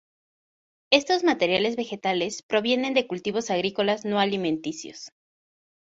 Estos materiales vegetales provienen de cultivos agrícolas no alimenticios.